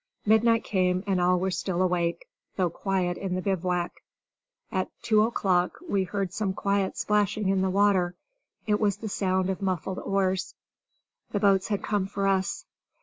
Midnight came and all were still awake, though quiet in the bivouac. At two o'clock we heard some quiet splashing in the water. It was the sound of muffled oars. The boats had come for us.